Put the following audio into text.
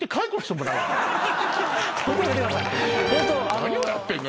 何をやってんのよ